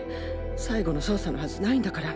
最後の捜査のはずないんだから。